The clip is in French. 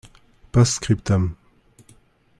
(post-scriptum).